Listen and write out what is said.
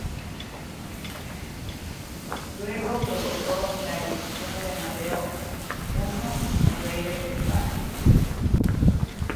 Luego provocó la elección de Amadeo I como rey de España.